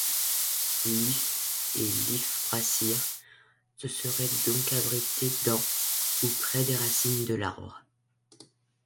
Líf et Lífþrasir se seraient donc abrités dans ou près des racines de l'arbre.